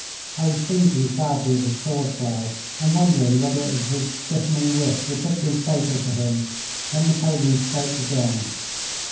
I was thinking sadly of his sword play, and wondering whether it was his stiffening wrist which had been fatal to him, when Napoleon spoke again.